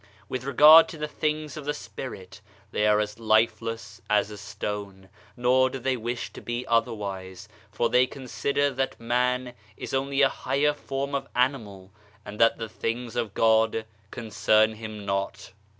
With regard td the things of the Spirit they are as lifeless as a stone ; nor do they wish to be otherwise, for they consider that man is only a higher form of animal and that the things of God concern him not.